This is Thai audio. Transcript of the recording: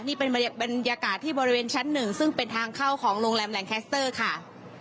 นี่เป็นบรรยากาศที่บริเวณชั้นหนึ่งซึ่งเป็นทางเข้าของโรงแรมแหล่งคัสเตอร์ค่ะ